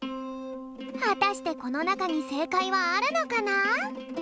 はたしてこのなかにせいかいはあるのかな？